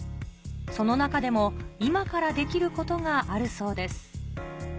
その中でも今からできることがあるそうです